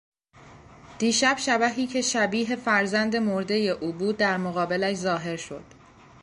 دیشب شبحی که شبیه فرزند مردهی او بود در مقابلش ظاهر شد.